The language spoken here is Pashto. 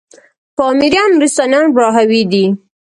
پامـــــیـــریــــان، نورســــتانــیان براهــــوی دی